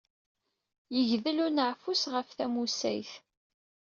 Yegdel uneɛfus ɣef tamusayt!